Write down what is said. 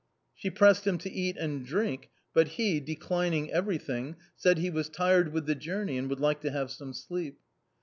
She pressed him to eat and drink, but he, de clining everything, said he was tired with the journey and wanM like to have some sleep.